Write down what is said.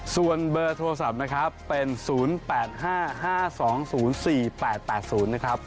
ส่วนเบอร์โทรศัพท์นะครับเป็น๐๘๕๕๒๐๔๘๘๐นะครับ